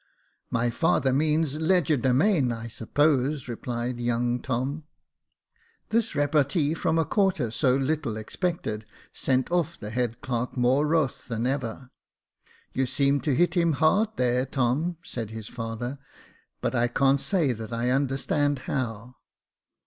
My father means /^^^<?rdemain, I suppose," replied young Tom. Jacob Faithful 159 This repartee from a quarter so little expected, sent oiF the head clerk more wroth than ever. " You seemed to hit him hard there, Tom," said his father ;" but I can't say that I understand how."